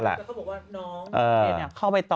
แบบนี้